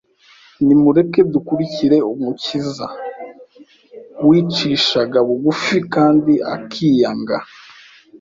Nimureke dukurikire Umukiza wicishaga bugufi kandi akiyanga.